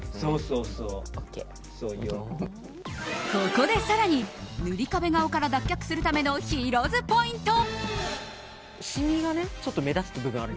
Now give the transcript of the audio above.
ここで更に、ぬりかべ顔から脱却するためのヒロ’ｓポイント。